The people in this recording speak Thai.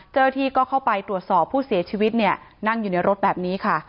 เจ้าหน้าที่ก็เข้าไปตรวจสอบผู้เสียชีวิตเนี่ยนั่งอยู่ในรถแบบนี้ค่ะ